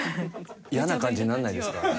嫌な感じにならないですか？